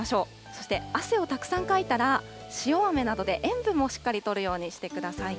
そして汗をたくさんかいたら、塩あめなどで塩分もしっかりとるようにしてください。